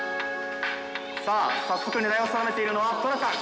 さあ早速狙いを定めているのは虎タン。